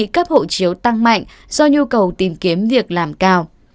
cấp hộ chiếu tăng mạnh do nhu cầu tìm kiếm việc làm cao